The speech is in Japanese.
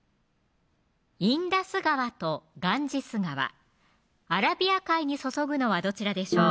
インダス川とガンジス川アラビア海に注ぐのはどちらでしょう